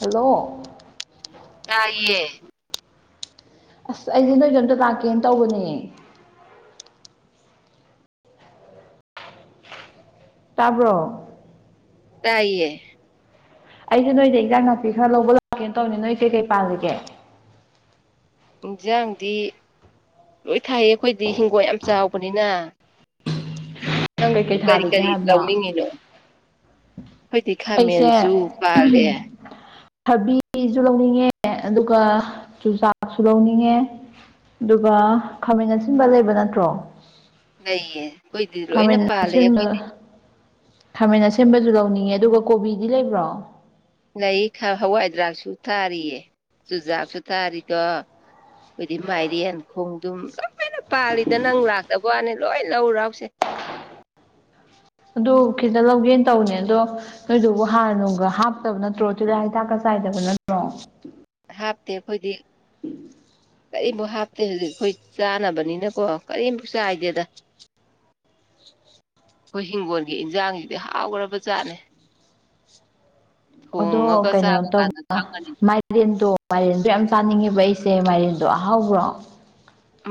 hello ꯇꯥꯏꯌꯦ ꯑꯁ ꯑꯩꯁꯦ ꯅꯣꯏꯗꯣ ꯑꯝꯇ ꯂꯥꯛꯀꯦꯅ ꯇꯧꯕꯅꯦ ꯇꯥꯕ꯭ꯔꯣ ꯇꯥꯏꯌꯦ ꯑꯩꯁꯦ ꯅꯣꯏꯗ ꯏꯟꯖꯥꯡ ꯅꯥꯄꯤ ꯈꯔ ꯂꯧꯕ ꯂꯥꯛꯀꯦꯅ ꯇꯧꯅꯤ ꯅꯣꯏ ꯀꯩꯀꯩ ꯄꯥꯜꯂꯤꯒꯦ ꯢꯟꯖꯥꯡꯗꯤ ꯂꯣꯏ ꯊꯥꯏꯌꯦ ꯑꯩꯈꯣꯏꯗꯤ ꯍꯤꯡꯒꯣꯜ ꯌꯥꯝ ꯆꯥꯎꯕꯅꯤꯅ ꯅꯪ ꯀꯩ ꯀꯩ ꯀꯔꯤ ꯊꯥꯔꯤꯒꯦ ꯀꯔꯤ ꯍꯥꯏꯝꯕ ꯂꯧꯅꯤꯡꯉꯤꯅꯣ ꯑꯩꯈꯣꯏꯗꯤ ꯑꯩꯁꯦ ꯈꯥꯃꯦꯟꯁꯨ ꯄꯥꯜꯂꯦ ꯊꯕꯤꯖꯨ ꯂꯧꯅꯤꯡꯉꯦ ꯑꯗꯨꯒ ꯆꯨꯖꯥꯛꯁꯨ ꯂꯧꯅꯤꯡꯉꯦ ꯑꯗꯨꯒ ꯈꯥꯃꯦꯟ ꯑꯁꯤꯟꯕ ꯂꯩꯕ ꯅꯠꯇ꯭ꯔꯣ ꯂꯩꯌꯦ ꯑꯈꯣꯏꯗꯤ ꯂꯣꯏꯅ ꯈꯥꯃꯦꯟ ꯄꯥꯜꯂꯦ ꯑꯁꯤꯟꯕ ꯑꯩꯈꯣꯏꯗꯤ ꯈꯥꯃꯦꯟ ꯑꯁꯤꯟꯕꯖꯨ ꯂꯧꯅꯤꯡꯉꯦ ꯑꯗꯨꯒ ꯀꯣꯕꯤꯗꯤ ꯂꯩꯕ꯭ꯔꯣ ꯂꯩ ꯍꯋꯥꯏꯗ꯭ꯔꯥꯛꯁꯨ ꯊꯥꯔꯤꯌꯦ ꯆꯨꯖꯥꯛꯁꯨ ꯇꯥꯔꯤ ꯑꯣ ꯑꯩꯈꯣꯏꯗꯤ ꯃꯥꯏꯔꯦꯟ ꯈꯣꯡꯗꯨꯝ ꯂꯣꯏꯏꯅ ꯄꯥꯜꯂꯤꯗ ꯅꯪ ꯂꯥꯛꯇꯕ꯭ꯋꯥꯅꯤꯗ ꯂꯣꯏ ꯂꯧꯔꯥꯎꯁꯦ ꯑꯗꯨ ꯈꯤꯇ ꯂꯧꯒꯦꯅ ꯇꯧꯅꯦ ꯑꯗꯣ ꯅꯣꯏꯗꯨꯕꯨ ꯍꯥꯟꯅ ꯅꯨꯡꯒ ꯍꯥꯞꯇꯕ ꯅꯠꯇ꯭ꯔꯣ ꯇꯤꯜꯍꯥ ꯍꯤꯗꯥꯛꯀ ꯆꯥꯏꯗꯕ ꯅꯠꯇ꯭ꯔꯣ ꯑꯣ ꯍꯥꯞꯇꯦ ꯈꯣꯏꯗꯤ ꯀꯔꯤꯃꯨꯛ ꯍꯥꯞꯇꯦ ꯍꯧꯖꯤ ꯈꯣꯏ ꯆꯥꯅꯕꯅꯤꯅꯀꯣ ꯀꯔꯤꯝ ꯕꯛ ꯆꯥꯏꯗꯦꯗ ꯈꯣꯏ ꯍꯤꯡꯒꯣꯜꯒꯤ ꯏꯟꯖꯥꯡꯁꯤꯗꯤ ꯍꯥꯎꯈ꯭ꯔꯕꯖꯥꯠꯅꯦ ꯑꯗꯣ ꯀꯩꯅꯣ ꯆꯥꯕ ꯀꯥꯟꯗ ꯇꯧꯕ ꯈꯪꯒꯅꯤ ꯃꯥꯏꯔꯦꯟꯗꯣ ꯃꯥꯏꯔꯦꯟꯗ ꯌꯥꯝ ꯆꯥꯅꯤꯡꯉꯦꯕ ꯑꯩꯁꯦ ꯃꯥꯏꯔꯦꯟꯗꯣ ꯑꯍꯥꯎꯕ꯭ꯔꯣ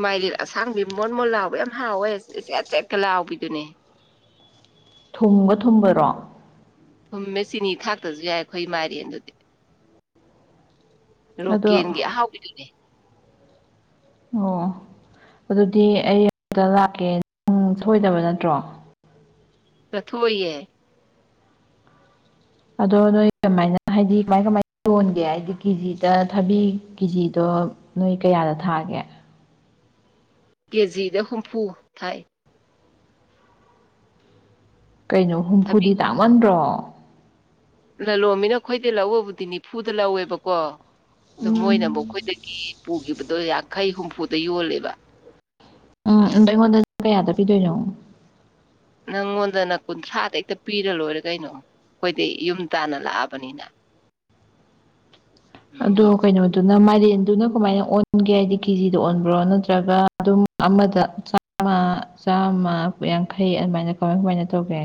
ꯃꯥꯏꯔꯦꯟ ꯑꯁꯥꯡꯕꯤ ꯃꯣꯟ ꯃꯣꯟ ꯂꯥꯎꯕ ꯌꯥꯝ ꯍꯥꯎꯋꯦꯆꯦꯠ ꯆꯦꯠꯀ ꯂꯥꯎꯕꯤꯗꯨꯅꯦ ꯊꯨꯝꯒ ꯊꯨꯝꯕꯔꯣ ꯊꯨꯝꯃꯦ ꯆꯤꯅꯤ ꯊꯥꯛꯇꯖꯨ ꯌꯥꯏ ꯑꯩꯈꯣꯏ ꯃꯥꯏꯔꯦꯟ ꯗꯨꯗꯤ ꯑꯗꯣ ꯂꯣꯀꯦꯟꯒꯤ ꯑꯍꯥꯎꯕꯤꯗꯨꯅꯦ ꯑꯣ ꯑꯗꯨꯗꯤ ꯑꯩ ꯑꯃꯗ ꯂꯥꯛꯀꯦ ꯅ ꯊꯣꯑꯣꯏꯗꯕ ꯅꯠꯇ꯭ꯔꯣ ꯆꯠꯊꯣꯛ ꯑꯣꯏꯌꯦ ꯑꯗꯣ ꯅꯣꯏ ꯀꯃꯥꯏꯅ ꯍꯥꯏꯗꯤ ꯀꯃꯥꯏ ꯀꯃꯥꯏꯅ ꯌꯣꯟꯒꯦ ꯍꯥꯏꯗꯤ ꯀꯦꯖꯤꯗ ꯊꯕꯤ ꯀꯦꯖꯤꯗꯣ ꯗꯣ ꯅꯣꯏ ꯀꯌꯥꯗ ꯊꯥꯒꯦ ꯀꯦꯖꯤꯗ ꯍꯨꯝꯐꯨ ꯊꯥꯏ ꯀꯩꯅꯣ ꯊꯕꯤ ꯍꯨꯝꯐꯨꯗꯤ ꯇꯥꯡꯃꯟꯗ꯭ꯔꯣ ꯂꯂꯣꯟꯕꯤꯅ ꯑꯩꯈꯣꯏꯗꯩ ꯂꯧꯕꯕꯨꯗꯤ ꯅꯤꯐꯨꯗ ꯂꯧꯋꯦꯕꯀꯣ ꯑꯗꯨ ꯎꯝ ꯃꯣꯏꯅ ꯑꯃꯨꯛ ꯑꯈꯣꯏꯗꯒꯤ ꯄꯨꯈꯤꯕꯗꯣ ꯌꯥꯡꯈꯩ ꯍꯨꯝꯐꯨꯗ ꯌꯣꯜꯂꯦꯕ ꯎꯝ ꯑꯗꯣ ꯑꯩꯉꯣꯟꯗꯗꯤ ꯀꯌꯥꯗ ꯄꯤꯗꯣꯏꯅꯣ ꯅꯪꯉꯣꯟꯗꯅ ꯀꯨꯟꯊ꯭ꯔꯥꯗ ꯍꯦꯛꯇ ꯄꯤꯔ ꯂꯣꯏꯔꯦ ꯀꯩꯅꯣ ꯑꯩꯈꯣꯏꯗꯩ ꯌꯨꯝ ꯇꯥꯅ ꯂꯥꯛꯑꯕꯅꯤꯅ ꯑꯗꯣ ꯀꯩꯅꯣꯗꯨꯅ ꯃꯥꯏ ꯌꯦꯟꯗꯨꯅ ꯀꯃꯥꯏꯅ ꯑꯣꯟꯒꯦ ꯍꯥꯏꯗꯤ ꯀꯦꯖꯤꯗ ꯑꯣꯟꯕ꯭ꯔꯣ ꯅꯠꯇ꯭ꯔꯒ ꯑꯗꯨꯝ ꯑꯃꯗ ꯆꯥꯝꯃ ꯆꯥꯝꯃ ꯌꯥꯡꯈꯩ ꯑꯗꯨꯃꯥꯏꯅ ꯀꯃꯥꯏ ꯀꯃꯥꯏꯅ ꯇꯧꯒꯦ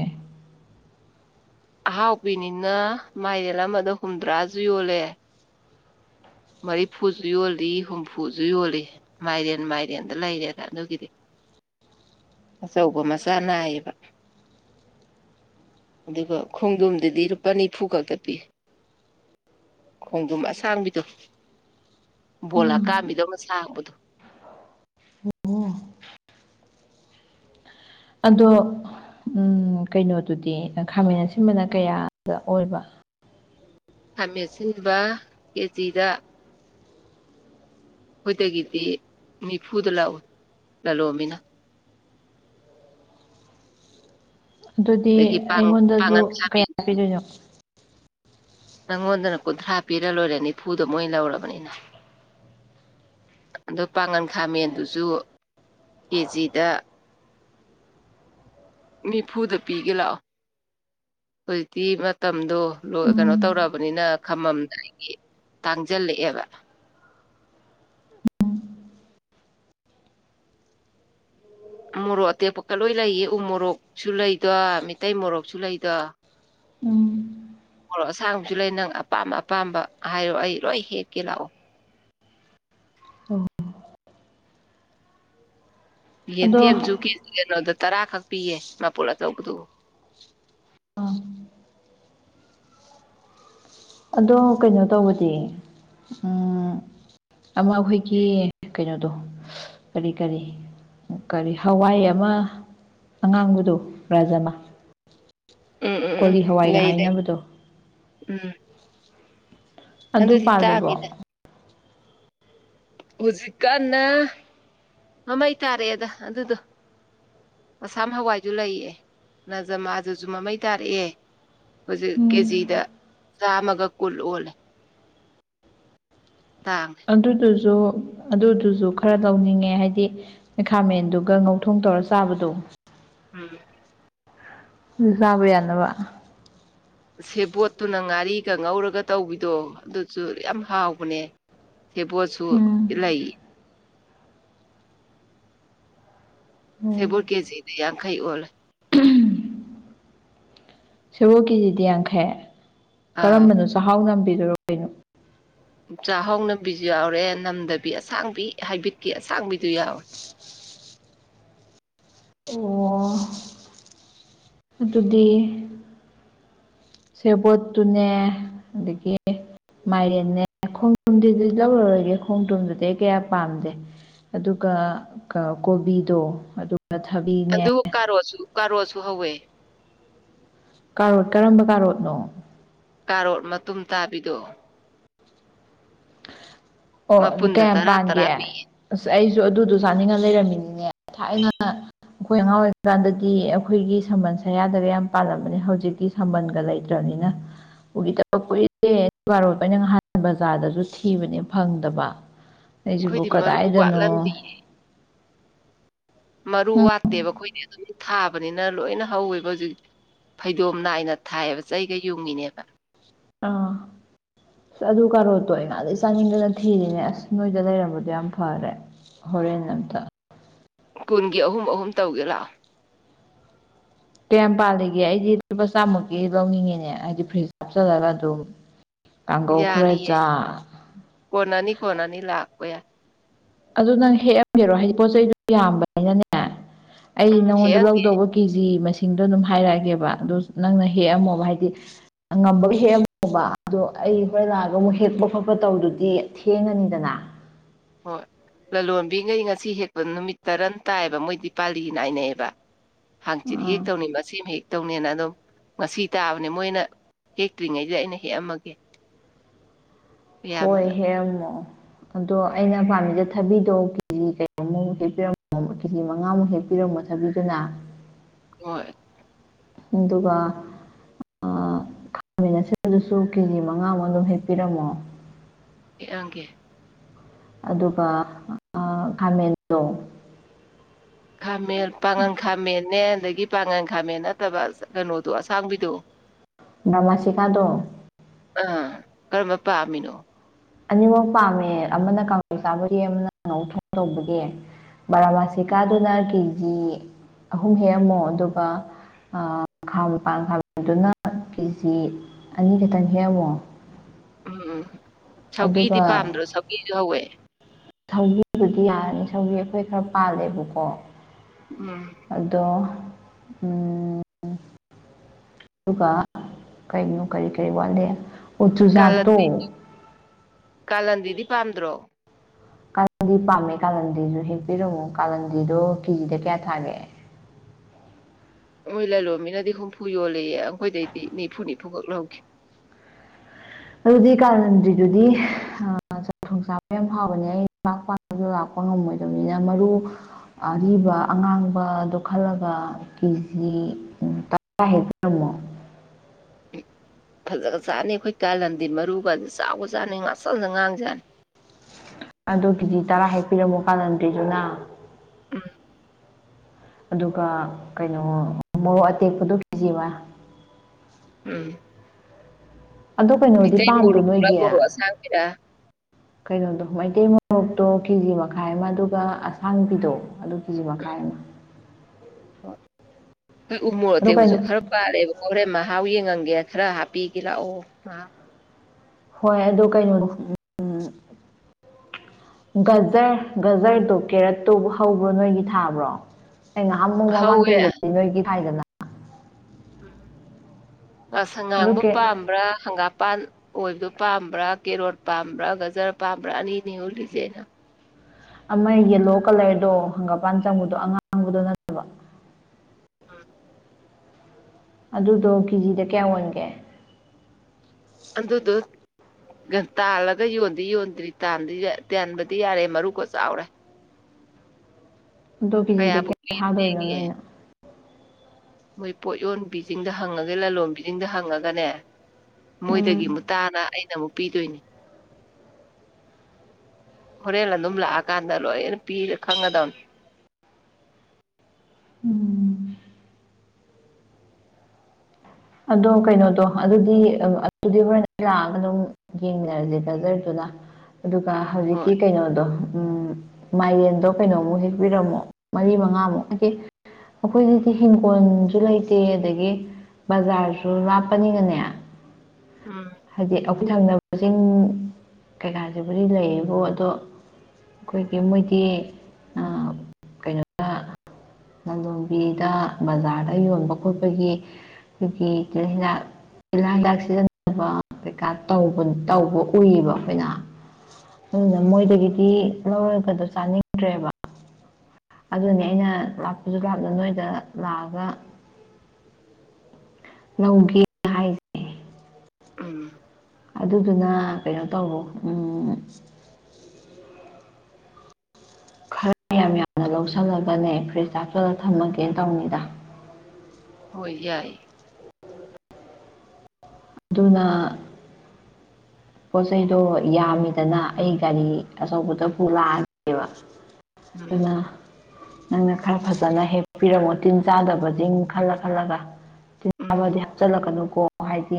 ꯑꯍꯥꯎꯕꯤꯅꯤꯅ ꯃꯥꯏꯔꯦꯜ ꯑꯃꯗ ꯍꯨꯝꯗ꯭ꯔꯥꯁꯨ ꯌꯣꯜꯂꯦ ꯃꯔꯤꯐꯨꯁꯨ ꯌꯣꯜꯂꯤ ꯍꯨꯝꯐꯨꯁꯨ ꯌꯣꯜꯂꯤ ꯃꯥꯏꯔꯦꯟ ꯃꯥꯏꯔꯦꯟꯗ ꯂꯩꯔꯦꯗ ꯑꯗꯨꯒꯤꯗꯤ [inaudible] ꯑꯆꯧꯕ ꯃꯆꯥ ꯅꯥꯏꯌꯦꯕ ꯑꯗꯨꯒ ꯈꯣꯡꯗꯣꯝꯗꯗꯤ ꯂꯨꯄꯥ ꯅꯤꯐꯨ ꯈꯛꯇ ꯄꯤ ꯈꯣꯡꯗꯨꯝ ꯑꯁꯥꯡꯕꯤꯗꯣ ꯕꯣꯜ ꯎꯝ ꯑꯀꯥꯝꯕꯤꯗꯧꯅ ꯁꯥꯡꯕꯗꯣ [unintelligible] ꯑꯗꯣ ꯎꯝ ꯀꯩꯅꯣꯗꯨꯗꯤ ꯈꯥꯃꯦꯟ ꯑꯁꯤꯟꯕꯅ ꯀꯌꯥꯗ ꯑꯣꯏꯕ ꯈꯥꯃꯦꯠꯁꯤꯟꯕ ꯀꯦꯖꯤꯗ ꯑꯩꯈꯣꯏꯗꯒꯤꯗꯤ ꯅꯤꯐꯨꯗ ꯂꯧꯏ ꯂꯂꯣꯟꯕꯤꯅ ꯑꯗꯨꯗꯤ ꯑꯗꯒꯤ ꯑꯩꯉꯣꯟꯗꯁꯨ ꯄꯥꯡꯒꯟ ꯈꯥꯃꯦꯟ ꯀꯌꯥ ꯄꯤꯗꯣꯏꯅꯣ ꯅꯪꯉꯣꯟꯗꯅ ꯀꯨꯟꯊ꯭ꯔꯥ ꯄꯤꯔ ꯂꯣꯏꯔꯦ ꯅꯤꯐꯨꯗꯣ ꯃꯣꯏ ꯂꯧꯔꯕꯅꯤꯅ ꯑꯗꯣ ꯄꯥꯉꯟ ꯈꯥꯃꯦꯟꯗꯨꯁꯨ ꯀꯦꯖꯤꯗ ꯅꯤꯐꯨꯗ ꯄꯤꯒꯦ ꯂꯥꯛꯑꯣ ꯍꯧꯖꯤꯛꯇꯤ ꯃꯇꯝꯗꯣ ꯂꯣꯏ ꯀꯩꯅꯣ ꯎꯝ ꯇꯧꯔꯕꯅꯤꯅ ꯈꯝꯃꯝꯗꯥꯏ ꯇꯥꯡꯖꯜꯂꯛꯑꯦꯕ ꯃꯣꯔꯣꯛ ꯑꯇꯦꯛꯄꯀ ꯂꯣꯏ ꯂꯩꯌꯦ ꯎ ꯃꯣꯔꯣꯛꯁꯨ ꯂꯩꯗꯣ ꯃꯤꯇꯩꯩ ꯃꯣꯔꯣꯛꯁꯨ ꯂꯩꯗꯣ ꯎꯝ ꯃꯣꯔꯣꯛ ꯑꯁꯥꯡꯕꯁꯨ ꯂꯩ ꯅꯪ ꯑꯄꯥꯝ ꯑꯄꯥꯝꯕ ꯍꯥꯏꯔꯣ ꯑꯩ ꯂꯣꯏ ꯍꯦꯛꯀꯦ ꯂꯥꯛꯑꯣ ꯑꯣ ꯑꯗꯣ ꯌꯦꯟꯗꯦꯝꯁꯨ ꯀꯦ ꯀꯩꯅꯣꯗ ꯇꯔꯥꯈꯛ ꯄꯤꯌꯦ ꯃꯥꯄꯨꯜ ꯑꯆꯧꯕꯗꯣ ꯑꯗꯣ ꯀꯩꯅꯣ ꯇꯧꯕꯗꯤ ꯎꯝ ꯑꯃ ꯑꯩꯈꯣꯏꯒꯤ ꯀꯩꯅꯣꯗꯣ ꯀꯔꯤ ꯀꯔꯤ ꯀꯔꯤ ꯍꯋꯥꯏ ꯑꯃ ꯑꯉꯥꯡꯕꯗꯣ ꯔꯥꯖꯃ ꯎꯝ ꯎꯝ ꯎꯝ ꯀꯣꯂꯤ ꯍꯋꯥꯏꯒ ꯂꯩ ꯂꯩ ꯍꯥꯏꯅꯕꯗꯣ ꯎꯝ ꯑꯗꯨ ꯑꯗꯨꯗꯤ ꯄꯥꯜꯂꯤꯕꯣ ꯇꯥꯡꯉꯤꯗ ꯍꯧꯖꯤꯛꯀꯥꯟꯅ ꯃꯃꯩ ꯇꯥꯔꯛꯑꯦꯗ ꯑꯗꯨꯗꯣ ꯑꯁꯥꯝ ꯍꯋꯥꯏꯗꯨ ꯂꯩꯌꯦ ꯅꯖꯃꯥꯗꯨꯁꯨ ꯃꯃꯩ ꯇꯥꯔꯛꯑꯦ ꯍꯧꯖꯤꯛ ꯎꯝ ꯀꯦꯖꯤꯗ ꯆꯥꯝꯃꯒ ꯀꯨꯟ ꯑꯣꯜꯂꯦ ꯇꯥꯡꯉꯦ ꯑꯗꯨꯗꯣ ꯖꯨ ꯑꯗꯨꯗꯨꯖꯨ ꯈꯔ ꯂꯧꯅꯤꯡꯉꯦ ꯍꯥꯏꯗꯤ ꯃꯩꯈꯥꯃꯦꯟꯗꯨꯒ ꯉꯧꯊꯣꯡ ꯇꯧꯔ ꯆꯥꯕꯗꯣ ꯎꯝ [unintelligible] ꯌꯥꯅꯕ ꯁꯦꯕꯣꯠꯇꯨꯅ ꯉꯥꯔꯤꯒ ꯉꯧꯔꯒ ꯇꯧꯕꯤꯗꯣ ꯑꯗꯨꯁꯨ ꯌꯥꯝ ꯍꯥꯎꯕꯅꯦ ꯁꯦꯕꯣꯠꯁꯨ ꯎꯝ ꯂꯩ ꯑꯣ ꯁꯦꯕꯣꯠ ꯀꯦꯖꯤꯗ ꯌꯥꯡꯈꯩ ꯑꯣꯜꯂꯦ ꯁꯦꯕꯣꯠ ꯀꯦꯖꯤꯗꯤ ꯌꯥꯡꯈꯩ ꯑꯥ ꯀꯔꯝꯕꯅꯣ ꯆꯥꯛꯍꯥꯎ ꯅꯝꯕꯤꯗꯨꯔꯣ ꯀꯩꯅꯣ ꯆꯥꯛꯍꯣꯎ ꯅꯝꯕꯤꯁꯨ ꯌꯥꯎꯔꯦ ꯅꯝꯗꯕꯤ ꯑꯁꯥꯡꯕꯤ ꯍꯥꯏꯕꯤꯠꯀꯤ ꯑꯁꯥꯡꯕꯤꯗꯨ ꯌꯥꯎꯋꯦ ꯑꯣ ꯑꯗꯨꯗꯤ ꯁꯦꯕꯣꯠꯇꯨꯅꯦ ꯑꯗꯒꯤ ꯃꯥꯏꯔꯦꯟꯅꯦ ꯈꯣꯡꯗ꯭ꯔꯨꯝꯗꯤ ꯂꯧꯔꯔꯣꯏꯒꯦ ꯈꯣꯡꯗ꯭ꯔꯝꯗꯨꯗꯤ ꯑꯩ ꯀꯌꯥ ꯄꯥꯝꯗꯦ ꯑꯗꯨꯒ ꯀꯥ ꯀꯣꯕꯤꯗꯣ ꯑꯗꯨ ꯑꯗꯨ ꯀꯔꯣꯠꯁꯨ ꯀꯔꯣꯠꯁꯨ ꯍꯧꯋꯦ ꯀꯔꯣꯠ ꯀꯔꯝꯕ ꯀꯔꯣꯠꯅꯣ ꯀꯔꯣꯠ ꯃꯇꯨꯝ ꯇꯕꯤꯗꯣ ꯑꯣ ꯑꯗꯨ ꯃꯄꯨꯟꯗ ꯀꯌꯥꯝ ꯇꯔꯥ ꯄꯟꯒꯦ ꯇꯔꯥ ꯄꯤ ꯑꯁ ꯑꯩ ꯑꯗꯨꯗꯣ ꯆꯥꯅꯤꯡꯉ ꯂꯩꯔꯝꯃꯤꯅꯤꯅꯦ ꯊꯥꯏꯅ ꯑꯈꯣꯏ ꯑꯉꯥꯡ ꯑꯣꯏꯔꯤꯀꯟꯗꯗꯤ ꯑꯈꯣꯏꯒꯤ ꯁꯝꯕꯟ ꯁꯌꯥꯗꯒ ꯌꯥꯝ ꯄꯥꯜꯂꯝꯕꯅꯦ ꯍꯧꯖꯤꯛꯇꯤ ꯁꯝꯕꯟꯒ ꯂꯩꯇ꯭ꯔꯕꯅꯦ ꯎꯒꯤꯗꯕ ꯀꯨꯏꯗꯦ ꯑꯗꯨ ꯀꯔꯣꯠꯇꯣ ꯑꯩꯅ ꯅꯍꯥꯟ ꯕꯖꯥꯔꯗꯁꯨ ꯊꯤ ꯊꯤꯕꯅꯦ ꯐꯪꯗꯕ ꯑꯩꯖꯤꯕꯨ ꯑꯩꯈꯣꯏꯗꯤ ꯃꯔꯨ ꯀꯗꯏꯗꯅꯣ ꯋꯥꯠꯂꯝꯗꯤ ꯃꯔꯨ ꯋꯥꯠꯇꯦꯕ ꯑꯈꯣꯏꯗꯤ ꯑꯗꯨꯝ ꯊꯥꯕꯅꯤꯅ ꯂꯣꯏꯅ ꯍꯧꯋꯦꯕ ꯍꯧꯖꯤꯛ ꯐꯩꯗꯣꯝ ꯅꯥꯏꯅ ꯊꯥꯏꯌꯦꯕ ꯆꯩꯒ ꯌꯨꯡꯉꯤꯅꯦꯕ ꯑꯥ ꯑꯗꯨ ꯀꯥꯔꯣꯠꯇꯣ ꯑꯩ ꯅꯥꯟꯗꯩ ꯆꯥꯅꯤꯡꯗꯅ ꯊꯤꯔꯤꯅꯦ ꯑꯁ ꯅꯣꯏꯗ ꯂꯩꯔꯝꯕꯗꯣ ꯌꯥꯝ ꯐꯔꯦ ꯍꯣꯔꯦꯟ ꯑꯝꯇ ꯀꯨꯟꯒꯤ ꯑꯍꯨꯝ ꯑꯍꯨꯝ ꯇꯧꯒꯦ ꯂꯥꯛꯑꯣ ꯀꯌꯥꯝ ꯄꯥꯜꯂꯤꯒꯦ ꯑꯩꯗꯤ ꯂꯨꯄꯥ ꯆꯥꯝꯃꯨꯛꯀꯤ ꯂꯧꯅꯤꯡꯉꯤꯅꯦ ꯍꯥꯏꯗꯤ ꯐ꯭ꯔꯤꯖꯇ ꯍꯥꯞ ꯆꯜꯂꯒ ꯑꯗꯨꯝ ꯀꯥꯡꯒꯧ ꯈꯔ ꯌꯥꯅꯤꯌꯦ ꯆꯥ ꯀꯣꯅꯅꯤ ꯀꯣꯅꯅꯤ ꯂꯥꯛꯄ ꯌꯥꯏ ꯑꯗꯨ ꯅꯪ ꯍꯦꯛꯑꯝꯒꯦꯔꯣ ꯍꯥꯏꯗꯤ ꯄꯣꯠ ꯆꯩꯗꯨ ꯌꯥꯝꯕꯅꯤꯅꯅꯦ ꯑꯩ ꯎꯝ ꯅꯪꯉꯣꯟꯗ ꯍꯦꯛꯑꯝꯒꯦ ꯂꯧꯗꯧꯕ ꯀꯦꯖꯤ ꯃꯁꯤꯡ ꯗꯣ ꯑꯗꯨꯝ ꯍꯥꯏꯔꯛꯑꯒꯦꯕ ꯑꯗꯨ ꯅꯪꯅ ꯍꯦꯛꯑꯝꯃꯣꯕ ꯍꯥꯏꯗꯤ ꯉꯝꯕ ꯍꯦꯛꯑꯝꯃꯣꯕ ꯑꯗꯣ ꯑꯩ ꯍꯣꯔꯦꯟ ꯂꯥꯛꯑꯒ ꯑꯃꯨꯛ ꯍꯦꯛꯄ ꯈꯣꯠꯄ ꯇꯧꯗꯨꯗꯤ ꯊꯦꯡꯉꯅꯤꯗꯅ ꯍꯣꯏ ꯂꯂꯣꯟꯕꯤꯉꯩ ꯉꯁꯤ ꯍꯦꯛꯄ ꯅꯨꯃꯤꯠ ꯇꯔꯟ ꯇꯏꯌꯦꯕ ꯃꯣꯏꯗꯤ ꯄꯥꯂꯤ ꯅꯥꯏꯅꯩꯌꯦꯕ ꯍꯥꯡꯆꯤꯠ ꯑꯥ ꯍꯦꯛꯇꯧꯅꯤ ꯃꯁꯦꯝ ꯍꯦꯛ ꯇꯧꯅꯦꯅ ꯑꯗꯨꯝ ꯉꯁꯤ ꯇꯕꯅꯦ ꯃꯣꯏꯅ ꯍꯦꯛꯇ꯭ꯔꯤꯉꯩꯖꯤꯗ ꯑꯩꯅ ꯍꯦꯛꯑꯝꯃꯒꯦ ꯍꯣꯏ ꯑꯌꯥꯝꯕꯅ ꯍꯦꯛꯑꯝꯃꯣ ꯑꯗꯣ ꯑꯩꯅ ꯄꯥꯝꯃꯤꯖꯦ ꯊꯕꯤꯗꯣ ꯀꯦꯖꯤ ꯀꯩꯅꯣꯃꯨꯛ ꯍꯦꯛꯄꯤꯔꯝꯃꯣ ꯀꯦꯖꯤ ꯃꯉꯥꯃꯨꯛ ꯍꯦꯛ ꯄꯤꯔꯝꯃꯣ ꯊꯕꯤꯗꯨꯅ ꯍꯣꯏ ꯑꯗꯨꯒ ꯑꯥ ꯈꯃꯦꯟ ꯑꯁꯤꯕꯗꯨꯁꯨ ꯀꯦꯖꯤ ꯃꯉꯥꯃꯨꯛ ꯑꯗꯨꯝ ꯍꯦꯛꯄꯤꯔꯝꯃꯣ ꯍꯦꯛꯑꯝꯒꯦ ꯑꯗꯨꯒ ꯑꯥ ꯈꯃꯦꯟꯗꯣ ꯈꯃꯦꯟ ꯄꯥꯉꯜ ꯈꯃꯦꯟꯅꯦ ꯑꯗꯒꯤ ꯄꯉꯟ ꯈꯃꯦꯟ ꯅꯠꯇꯕ ꯀꯩꯅꯣꯗꯣ ꯑꯁꯡꯕꯤꯗꯣ ꯅꯃꯥꯁꯤꯀꯗꯣ ꯑꯥ ꯀꯔꯝꯕ ꯄꯝꯃꯤꯅꯣ ꯑꯅꯤꯃꯛ ꯄꯝꯃꯦ ꯑꯃꯅ ꯀꯥꯡꯁꯣꯏ ꯆꯥꯕꯒꯤ ꯑꯃꯅ ꯉꯧ ꯊꯣꯡ ꯇꯧꯕꯒꯤ ꯕꯥꯔꯃꯁꯤꯀꯗꯨꯅ ꯀꯦꯖꯤ ꯀꯦꯖꯤ ꯑꯍꯨꯝ ꯍꯦꯛꯑꯝꯃꯣ ꯑꯗꯨꯒ ꯈꯃꯦꯟ ꯄꯥꯉꯟ ꯈꯃꯦꯟꯗꯨꯅ ꯀꯦꯖꯤ ꯑꯅꯤꯈꯛꯇꯪ ꯍꯦꯛꯑꯝꯃꯣ ꯎꯝ ꯁꯧꯒ꯭ꯔꯤꯗꯤ ꯑꯗꯨꯒ ꯄꯥꯝꯗ꯭ꯔꯣ ꯁꯧꯒ꯭ꯔꯤꯖꯨ ꯍꯧꯋꯦ ꯁꯧꯒꯤꯕꯨꯗꯤ ꯌꯥꯔꯅꯤ ꯁꯧꯒ꯭ꯔꯤ ꯑꯈꯣꯏ ꯈꯔ ꯄꯜꯂꯦꯕꯀꯣ ꯎꯝ ꯑꯗꯣ ꯎꯝ ꯑꯗꯨꯒ ꯀꯣꯅꯣ ꯀ꯭ꯔꯤ ꯀ꯭ꯔꯤ ꯋꯠꯂꯤ ꯀꯥꯂꯟ ꯀꯥꯂꯟꯗꯤꯗꯤ ꯄꯥꯝꯗ꯭ꯔꯣ ꯀꯥꯂꯟꯗꯤ ꯄꯥꯝꯃꯦ ꯀꯥꯂꯟꯗꯤꯁꯨ ꯍꯦꯛꯄꯤꯔꯝꯃꯨ ꯀꯥꯂꯟꯗꯗꯣ ꯀꯦꯖꯤꯗ ꯀꯌꯥ ꯊꯥꯒꯦ ꯃꯣꯏ ꯂꯂꯣꯟꯕꯤꯅꯗꯤ ꯍꯨꯝꯐꯨ ꯌꯣꯜꯂꯦꯌꯦ ꯑꯩꯈꯣꯏꯗꯩꯗꯤ ꯅꯤꯐꯨ ꯅꯤꯐꯨ ꯐꯨꯈꯛ ꯂꯧꯈꯤ ꯑꯗꯨꯗꯤ ꯀꯥꯂꯟꯗ꯭ꯔꯤꯗꯨꯗꯤ ꯑꯥ ꯊꯣꯡꯆꯥ ꯌꯥꯝ ꯐꯥꯎꯕꯅꯦ ꯑꯩꯥ ꯄꯥꯛꯪ ꯄꯥꯛꯁꯨ ꯂꯥꯛꯄ ꯉꯝꯃꯣꯏꯗꯕꯅꯤꯅ ꯃꯔꯨ ꯑꯔꯤꯕ ꯑꯉꯥꯡꯕꯗꯣ ꯈꯜꯂꯒ ꯀꯦꯖꯤ ꯇꯔꯥ ꯍꯦꯛꯄꯤꯔꯝꯃꯣ ꯎꯝ ꯐꯖꯒ꯭ꯔꯆꯥꯅꯤ ꯑꯩꯈꯣꯏ ꯀꯥꯂꯟꯗꯤꯥ ꯃꯔꯨꯒꯗꯣ ꯆꯥꯎꯒ ꯆꯥꯅꯦ ꯉꯥꯛꯁꯪ ꯉꯥꯡꯖꯥꯠꯅꯤ ꯑꯣ ꯀꯦꯖꯤ ꯇꯔꯥ ꯍꯦꯛꯄꯤꯔꯝꯃꯣ ꯀꯥꯂꯟꯗ꯭ꯔꯤꯗꯨꯅ ꯎꯝ ꯑꯗꯨꯒ ꯀꯩꯅꯣ ꯃꯣꯔꯣꯛ ꯑꯇꯦꯛꯄꯗꯣ ꯀꯦꯖꯤ ꯑꯃ ꯎꯝ ꯑꯗꯣ ꯀꯩꯅꯣꯗꯤ ꯃꯤꯇꯩ ꯄꯥꯟꯕ꯭ꯔꯣ ꯃꯣꯔꯣꯛꯂ ꯅꯣꯏꯒꯤ ꯃꯣꯔꯣꯛ ꯑꯁꯥꯡꯕꯤꯔ ꯀꯩꯅꯣꯗꯣ ꯃꯩꯇꯩ ꯃꯣꯔꯣꯛꯇꯣ ꯀꯦꯖꯤ ꯃꯈꯥꯏ ꯑꯃ ꯑꯗꯨꯒ ꯑꯁꯥꯡꯕꯤꯗꯣ ꯑꯗꯨꯒꯤ ꯀꯦꯖꯤ ꯃꯈꯥꯏ ꯑꯃ ꯍꯣꯏ ꯎꯃꯣꯔꯣꯛ ꯑꯗꯣ ꯑꯇꯦꯛꯕꯁꯨ ꯀꯩꯅꯣ ꯈꯔ ꯄꯥꯜꯂꯦꯕ ꯍꯣꯔꯦꯟ ꯃꯍꯥꯎ ꯌꯦꯡꯉꯟꯒꯦ ꯈꯔ ꯍꯥꯞꯄꯤꯒꯦ ꯂꯥꯛꯑꯣ ꯍꯣꯏ ꯑꯗꯨ ꯀꯩꯅꯣꯗꯣ ꯎꯝ ꯒꯖꯔ ꯒꯖꯔꯗꯨ ꯀꯦꯔꯠꯇꯨ ꯍꯧꯕ꯭ꯔꯣ ꯅꯣꯏꯒꯤ ꯊꯥꯕ꯭ꯔꯣ ꯑꯩ ꯉꯍꯥꯃꯨꯛ ꯃꯃꯥꯡ ꯍꯧꯋꯦ ꯆꯍꯤꯗꯗꯤ ꯅꯣꯏꯒꯤ ꯊꯥꯏꯗꯅ ꯎꯝ ꯉꯁꯪ ꯑꯗꯨ ꯉꯥꯡꯕ ꯀꯦ ꯄꯥꯝꯕ꯭ꯔꯥ ꯍꯪꯒꯥꯄꯥꯟ ꯑꯣꯏꯕꯗꯣ ꯄꯥꯝꯕ꯭ꯔꯥ ꯀꯦꯔꯣꯠ ꯄꯥꯝꯕ꯭ꯔꯥ ꯒꯖꯔ ꯄꯥꯝꯕ꯭ꯔꯥ ꯑꯅꯤ ꯑꯅꯤ ꯎꯂꯤꯁꯦ ꯑꯩꯅ ꯑꯃ ꯌꯦꯂꯣ ꯀꯂꯔꯗꯣ ꯍꯪꯒꯥꯄꯥꯟ ꯆꯪꯕꯗꯣ ꯑꯉꯥꯡꯕꯗꯣ ꯅꯠꯇꯕ ꯎꯝ ꯑꯗꯨꯗꯣ ꯀꯦꯖꯤꯗ ꯀꯌꯥ ꯑꯣꯟꯒꯦ ꯑꯗꯨꯗꯨ ꯇꯥꯜꯂꯒ ꯌꯣꯟꯗꯤ ꯌꯣꯟꯗ꯭ꯔꯤ ꯇꯥꯟꯗꯤ ꯇꯥꯟꯕꯗꯤ ꯌꯥꯔꯦ ꯃꯔꯨꯀ ꯆꯥꯎꯔꯦ ꯑꯗꯣ ꯀꯤꯖꯤꯗ ꯀꯌꯥꯕꯨ ꯀꯌꯥ ꯊꯥꯗꯣꯏꯅꯣ ꯅꯣꯏꯅ ꯃꯣꯏ ꯄꯣꯠꯌꯣꯟ ꯕꯤꯖꯤꯡꯗ ꯍꯪꯉꯒꯦ ꯂꯂꯣꯟ ꯕꯤꯖꯤꯡꯗ ꯍꯪꯉꯒꯅꯦ ꯎꯝ ꯃꯣꯏꯗꯒꯤ ꯃꯨꯛ ꯇꯥꯅ ꯑꯩꯅ ꯑꯃꯨꯛ ꯄꯤꯗꯣꯏꯅꯤ ꯍꯣꯔꯦꯟ ꯑꯗꯨꯝ ꯂꯥꯛꯑꯀꯥꯟꯗ ꯂꯣꯏꯅ ꯄꯤꯔ ꯈꯪꯒꯗꯧꯅꯤ ꯎꯝ ꯑꯗꯣ ꯀꯩꯅꯣꯗꯣ ꯑꯗꯨꯗꯤ ꯑꯗꯨꯗꯤ ꯍꯣꯔꯦꯟ ꯂꯥꯛꯑꯒ ꯑꯗꯨꯝ ꯌꯦꯡꯃꯤꯔꯁꯦ ꯒꯖꯔꯗꯨ ꯑꯗꯨꯒ ꯍꯧꯖꯤꯛꯀꯤ ꯍꯣꯏ ꯀꯩꯅꯣꯗꯣ ꯃꯥꯏꯔꯦꯟꯗꯣ ꯀꯩꯅꯣꯃꯨꯛ ꯍꯦꯛꯄꯤꯔꯝꯃꯣ ꯃꯔꯤ ꯃꯉꯥꯃꯨꯛ ꯍꯥꯏ ꯑꯩꯈꯣꯏꯗꯗꯤ ꯍꯤꯡꯈꯣꯜꯁꯨ ꯂꯩꯇꯦ ꯑꯗꯒꯤ ꯕꯖꯥꯔꯁꯨ ꯂꯥꯞꯄꯅꯤꯅꯅꯦ ꯎꯝ ꯍꯥꯏꯗꯤ ꯊꯪꯅꯕꯁꯤꯡ ꯀꯩꯀꯥꯁꯤꯕꯨꯗꯤ ꯂꯩꯌꯦꯕꯣ ꯑꯗꯣ ꯑꯩꯈꯣꯏꯒꯤ ꯃꯣꯏꯗꯤ ꯑꯥ ꯀꯩꯅꯣꯗ ꯂꯈꯂꯣꯟꯕꯤꯗ ꯕꯖꯥꯔꯗ ꯌꯣꯟꯕ ꯈꯣꯠꯄꯒꯤ ꯑꯩꯈꯣꯏꯒꯤ ꯍꯤꯗꯥꯛ ꯂꯥꯛ ꯂꯥꯛ ꯁꯤꯖꯤꯟꯅꯕ ꯀꯩꯀꯥ ꯇꯧꯕ ꯎꯏꯌꯦꯕ ꯑꯩꯈꯣꯏꯅ ꯃꯣꯏꯗꯒꯤꯗꯤ ꯂꯧꯔꯒꯗꯣ ꯆꯥꯅꯤꯡꯗ꯭ꯔꯦꯕ ꯑꯗꯨꯅꯤ ꯑꯩꯅ ꯂꯥꯛꯄꯁꯨ ꯂꯥꯞꯅ ꯅꯣꯏꯗ ꯂꯥꯛꯑꯒ ꯂꯧꯒꯦ ꯍꯥꯏꯁꯦ ꯎꯝ ꯑꯗꯨꯗꯨꯅ ꯀꯩꯅꯣ ꯇꯧꯔꯣ ꯎꯝ ꯈꯔꯌꯥꯝ ꯌꯥꯝꯅ ꯂꯧꯁꯜꯂꯒꯅꯦ ꯐ꯭ꯔꯤꯖ ꯍꯥꯞꯆꯜꯂ ꯊꯝꯃꯒꯦꯅ ꯇꯧꯅꯤꯗ [inaudible] ꯍꯣꯏ ꯌꯥꯏ ꯑꯗꯨꯅ ꯄꯣꯠ ꯆꯩꯩꯗꯣ ꯌꯥꯝꯃꯤꯗꯅ ꯑꯩ ꯒꯥꯔꯤ ꯑꯆꯧꯕꯗ ꯄꯨ ꯂꯥꯛꯑꯒꯦꯕ ꯎꯝ ꯑꯗꯨꯅ ꯅꯪꯅ ꯈꯔ ꯐꯖꯅ ꯍꯦꯛꯄꯤꯔꯝꯃꯣ ꯇꯤꯟ ꯆꯥꯗꯕꯁꯤꯡ ꯈꯜꯂ ꯈꯜꯂꯒ ꯎꯝ ꯇꯤꯟꯆꯕꯗꯗꯤ ꯍꯥꯞꯆꯤꯜꯂꯛ ꯀꯅꯨꯀꯣ ꯍꯥꯏꯗꯤ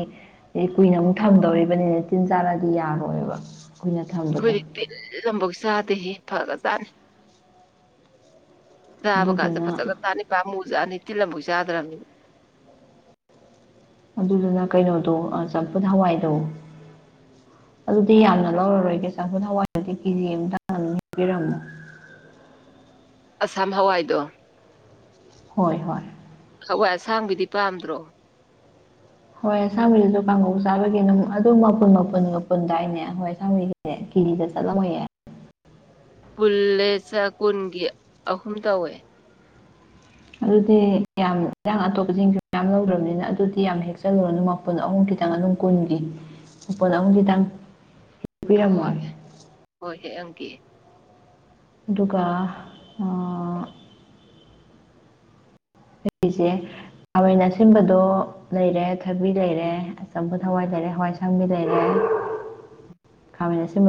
ꯀꯨꯏꯅ ꯑꯃꯨꯛ ꯊꯝꯗꯧꯔꯤꯕꯅꯤꯅ ꯇꯤꯟ ꯆꯥꯔꯛꯑꯗꯤ ꯌꯥꯔꯣꯏꯕ ꯀꯨꯏꯅ ꯊꯝꯕꯗꯣ ꯑꯩꯈꯣꯏꯗꯤ ꯇꯤꯟ ꯑꯝꯐꯧ ꯆꯥꯗꯦꯍꯦ ꯐꯔꯒ ꯖꯠꯅꯤ ꯆꯥꯕꯒꯁꯦ ꯑꯗꯨꯗꯨꯅ ꯐꯖꯒ ꯖꯅꯤ ꯄꯝꯃꯨ ꯖꯥꯅꯤ ꯇꯤꯟ ꯑꯝꯕꯨꯛ ꯆꯥꯗ꯭ꯔꯝꯅꯤꯅ ꯑꯗꯨꯗꯨꯅ ꯀꯩꯅꯣꯗꯣ ꯑꯥ ꯆꯝꯐꯨꯠ ꯍꯋꯥꯏꯗꯣ ꯑꯗꯨꯗꯤ ꯌꯥꯝꯅ ꯂꯧꯔꯔꯣꯏꯒꯦ ꯆꯝꯐꯨꯠ ꯍꯋꯥꯏꯗꯨꯗꯤ ꯀꯦꯖꯤ ꯑꯃꯇꯪ ꯑꯗꯨꯝ ꯍꯦꯛꯄꯤꯔꯝꯃꯣ [inaudible] ꯑꯁꯥꯝ ꯍꯋꯥꯏꯗꯣ ꯍꯣꯏ ꯍꯣꯏ ꯍꯋꯥꯏ ꯑꯁꯥꯡꯕꯤꯗꯤ ꯄꯥꯝꯗ꯭ꯔꯣ ꯍꯣꯏ ꯑꯁꯥꯕꯤꯗꯨꯁꯨ ꯀꯥꯡꯉꯧ ꯆꯥꯕꯒꯤ ꯑꯗꯨꯝ ꯑꯗꯨꯝ ꯃꯄꯨꯟ ꯃꯄꯨꯟꯒꯄꯨꯟ ꯄꯨꯟꯗꯥꯏꯅꯦ ꯍꯋꯥꯏ ꯑꯁꯥꯕꯤꯒꯤꯗꯤ ꯀꯦꯖꯤꯗ ꯆꯠꯂꯝꯃꯣꯏ ꯌꯦ ꯄꯨꯜꯂꯦ ꯀꯨꯟꯒꯤ ꯑꯍꯨꯝ ꯇꯧꯋꯦ ꯑꯗꯨꯗꯤ ꯌꯥꯝ ꯏꯟꯁꯥꯡ ꯑꯇꯣꯞꯄꯁꯤꯡꯁꯨ ꯌꯥꯝ ꯂꯧꯗ꯭ꯔꯕꯅꯤꯅ ꯑꯗꯨꯗꯤ ꯌꯥꯝ ꯍꯦꯛꯆꯜꯂꯨꯔꯅꯨ ꯃꯄꯨꯟ ꯑꯍꯨꯝ ꯈꯤꯇꯪ ꯑꯗꯨꯝ ꯀꯨꯟꯒꯤ ꯃꯄꯨꯜ ꯑꯍꯨꯃ ꯈꯤꯇꯪ ꯄꯤꯔꯝꯃꯣ ꯍꯣꯏ ꯍꯣꯏ ꯍꯦꯛ ꯑꯝꯒꯦ ꯑꯗꯨꯒ ꯑꯥ [unintelligible] ꯈꯥꯃꯦꯟ ꯑꯁꯤꯟꯕꯗꯣ ꯂꯩꯔꯦ ꯊꯕꯤ ꯂꯩꯔꯦ ꯆꯝꯐꯨꯠ ꯍꯋꯥꯏ ꯂꯩꯔꯦ ꯍꯋꯥꯏ ꯑꯁꯥꯡꯕꯤ ꯂꯩꯔꯦ ꯈꯃꯦꯟ ꯑꯁꯤꯟꯕ